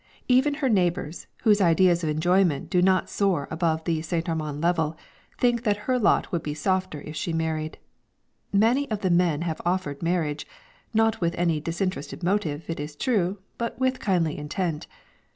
Even her neighbours, whose ideas of enjoyment do not soar above the St. Armand level, think that her lot would be softer if she married. Many of the men have offered marriage, not with any disinterested motive, it is true, but with kindly intent.